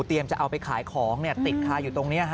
จะเอาไปขายของติดคาอยู่ตรงนี้